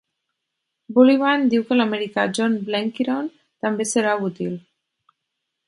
Bullivant diu que l'americà John Blenkiron també serà útil.